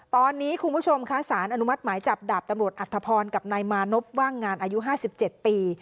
ตอนนี้คุณผู้ชมคะสารอนุมัติหมายจับดาบตำรวจอัธพรกับนายมานพว่างงานอายุ๕๗ปี